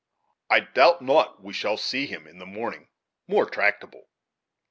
I doubt not we shall see him in the morning more tractable."